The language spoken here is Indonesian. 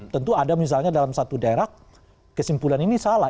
tentu ada misalnya dalam satu daerah kesimpulan ini salah